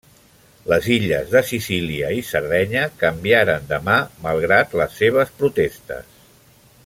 Les illes de Sicília i Sardenya canviaren de mà malgrat les seves protestes.